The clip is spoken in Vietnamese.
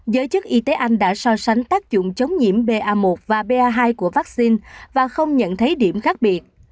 giới chức y tế anh đã so sánh tác dụng chống nhiễm ba và ba hai của vaccine và không nhận thấy điểm khác biệt